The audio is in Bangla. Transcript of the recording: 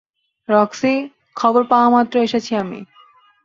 রক্সি, খবর পাওয়ামাত্র এসেছি আমি।